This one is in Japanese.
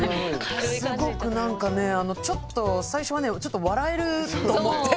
すごくなんかねちょっと最初はねちょっと笑えると思って。